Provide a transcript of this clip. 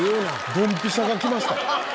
ドンピシャが来ましたね。